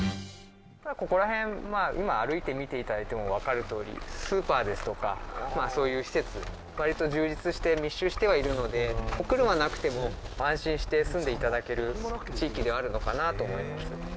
ここら辺、歩いてみてもらっても分かるように、スーパーや施設が割と充実して密集してはいるので、お車がなくても安心して住んでいただける地域ではあるのかなと思います。